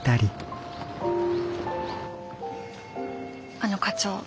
あの課長。